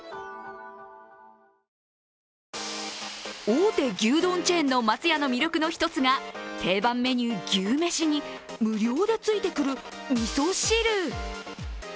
大手牛丼チェーンの松屋の魅力の一つが定番メニュー牛めしに無料でついてくる、みそ汁。